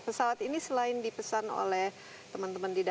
pesawat ini selain dipesan oleh teman teman di dalam